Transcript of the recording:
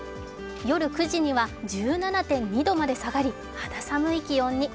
夜９時には１７．２度まで下がり、肌寒い気温に。